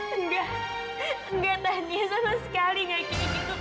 enggak enggak tanya sama sekali gak kayak gitu